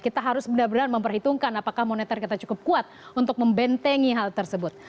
kita harus benar benar memperhitungkan apakah moneter kita cukup kuat untuk membentengi hal tersebut